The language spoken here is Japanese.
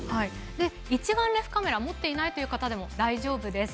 一眼レフカメラを持っていない方でも大丈夫です。